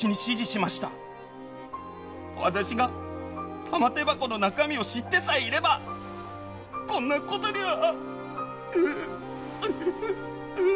私が玉手箱の中身を知ってさえいればこんな事には。